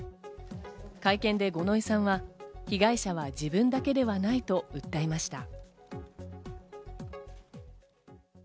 会見で五ノ井さんは被害者は自分だけではないと訴えました。